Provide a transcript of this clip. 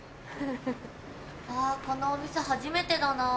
このお店初めてだなぁ。